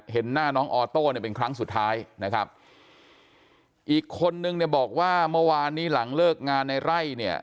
เห็นหน้าน้องออโต้เนี่ยเป็นครั้งสุดท้ายนะครับอีกคนนึงเนี่ยบอกว่าเมื่อวานนี้หลังเลิกงานในไร่เนี่ย